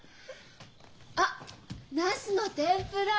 あっナスの天ぷら？